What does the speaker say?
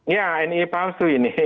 ya nii palsu ini